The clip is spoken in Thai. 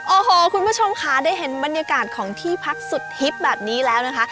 โอ้โหคุณผู้ชมค่ะได้เห็นบรรยากาศของที่พักสุดฮิตแบบนี้แล้วนะคะ